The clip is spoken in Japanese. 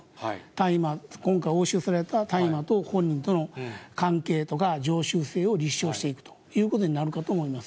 大麻、今回押収された大麻と本人との関係とか、常習性を立証していくということになるかと思います。